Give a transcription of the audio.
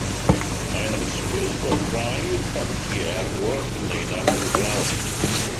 Mae'n hysbys bod rhai traciau ar goll neu'n anghyflawn.